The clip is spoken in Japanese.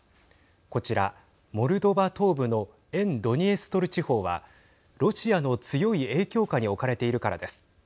こちらモルドバ東部の沿ドニエストル地方はロシアの強い影響下に置かれているからです。